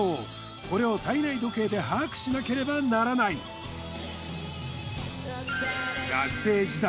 これを体内時計で把握しなければならない学生時代